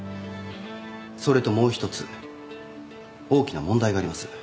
それともう一つ大きな問題があります。